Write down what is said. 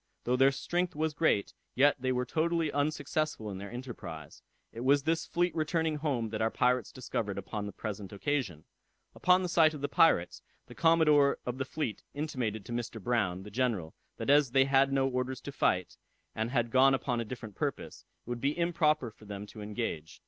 Though their strength was great, yet they were totally unsuccessful in their enterprise. It was this fleet returning home that our pirates discovered upon the present occasion. Upon the sight of the pirates, the commodore of the fleet intimated to Mr. Brown, the general, that as they had no orders to fight, and had gone upon a different purpose, it would be improper for them to engage.